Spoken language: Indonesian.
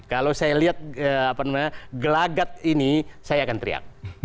kalau saya lihat gelagat ini saya akan teriak